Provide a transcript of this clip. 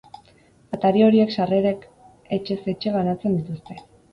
Atari horiek sarrerak etxez etxe banatzen dituzte.